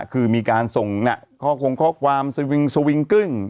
คือมีการส่งข้อความสวิงกิ้ง